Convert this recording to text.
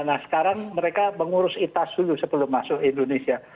nah sekarang mereka mengurus itas dulu sebelum masuk indonesia